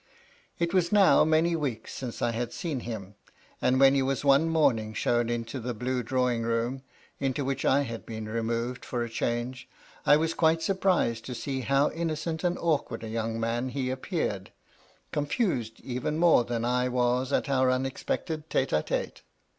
It was now many weeks since I had seen him, and when he was one morning shown into the blue drawing room (into which I had been 230 MY LADY LUDLOW. removed for a change), I was quite surprised to see how innocent and awkward a young man he appeared, confused even more than I was at our unexpected tSte a tete.